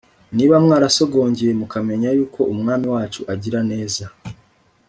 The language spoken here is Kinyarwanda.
'niba mwarasogongeye mukamenya yuko umwami wacu agira neza